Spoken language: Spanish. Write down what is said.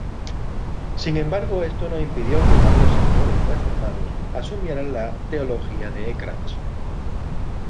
Sin embargo, esto no impidió que varios autores reformados asumieran la teología de Eckhart.